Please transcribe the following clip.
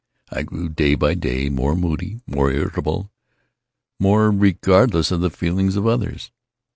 I grew, day by day, more moody, more irritable, more regardless of the feelings of others.